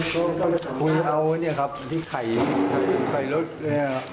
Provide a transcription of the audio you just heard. ต้องไปถาม